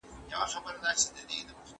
د ژوند د ښه والي لپاره هڅه وکړئ.